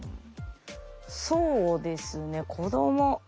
そうですね子ども。